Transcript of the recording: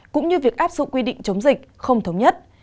cũng như việc áp dụng quy định chống dịch không thống nhất